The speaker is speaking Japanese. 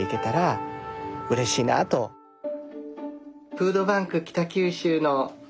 フードバンク北九州の。